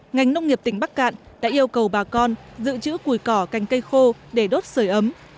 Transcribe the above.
ngành nông nghiệp tỉnh bắc cạn đã yêu cầu bà con giữ chữ củi cỏ canh cây khô để đốt sửa ấm